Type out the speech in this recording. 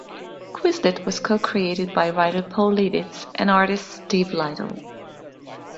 Quislet was co-created by writer Paul Levitz and artist Steve Lightle.